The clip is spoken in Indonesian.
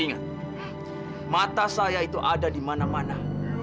ingat mata saya itu ada di mana mana